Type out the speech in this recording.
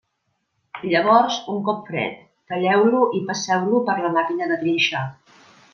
Llavors, un cop fred, talleu-lo i passeu-lo per la màquina de trinxar.